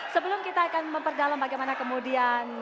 sebelum kita akan memperdalam bagaimana kemudian